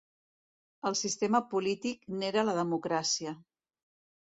El sistema polític n'era la democràcia.